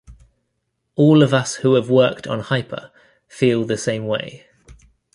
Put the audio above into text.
All of us who have worked on Hyper feel the same way.